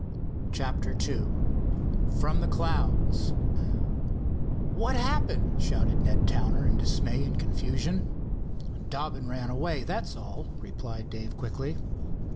CHAPTER II FROM THE CLOUDS "What's happened?" shouted out Ned Towner, in dismay and confusion. "Dobbin ran away, that's all," replied Dave quickly.